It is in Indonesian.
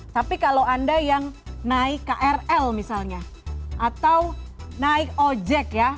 tapi kalau anda yang naik krl misalnya atau naik ojek ya